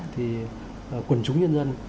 thì quần chúng nhân dân